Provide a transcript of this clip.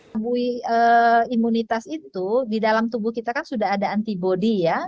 abui imunitas itu di dalam tubuh kita kan sudah ada antibody ya